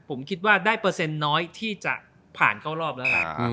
ผมคิดว่าได้เปอร์เซ็นต์น้อยที่จะผ่านเข้ารอบแล้วล่ะ